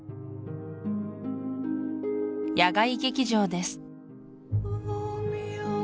野外劇場です